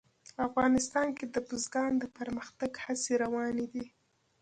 افغانستان کې د بزګان د پرمختګ هڅې روانې دي.